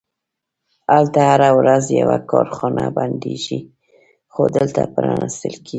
هلته هره ورځ یوه کارخونه بندیږي، خو دلته پرانیستل کیږي